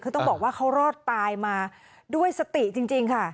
คือต้องบอกว่าเขารอดตายมาด้วยสติจริงค่ะ